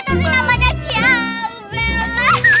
itu sih namanya cialbel